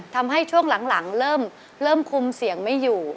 ทำให้ช่วงหลังเริ่มคุมเสียงไม่อยู่